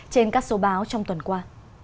trên các số báo trong tuần qua